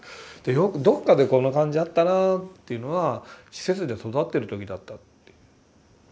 よくどっかでこの感じあったなというのは施設で育ってる時だった。